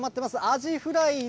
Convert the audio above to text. アジフライで。